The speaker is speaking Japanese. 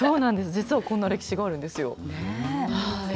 実はこんな歴史があるんですよ。